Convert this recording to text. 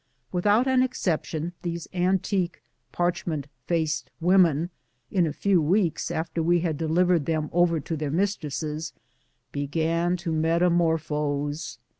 Without an exception these antique, parchment faced women, in a few weeks after we had delivered them over to their mistresses, began to metamorphose.